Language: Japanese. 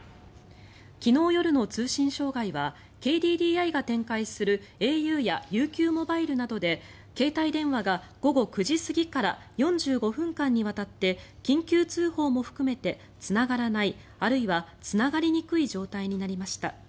昨日夜の通信障害はＫＤＤＩが展開するａｕやＵＱモバイルなどで携帯電話が午後９時過ぎから４５分間にわたって緊急通報も含めてつながらない、あるいはつながりにくい状態になりました。